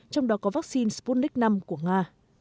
trong đó có vaccine sputnik v của nga